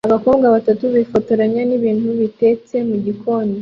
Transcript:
Abakobwa batatu bifotozanya nibintu bitetse mugikoni